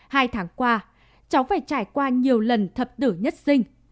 hai tháng qua cháu phải trải qua nhiều lần thập tử nhất sinh